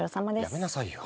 やめなさいよ